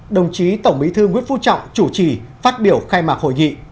đồng chí tổng bí thư nguyễn phú trọng chủ trì phát biểu khai mạc hội nghị